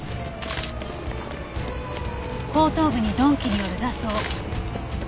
後頭部に鈍器による挫創。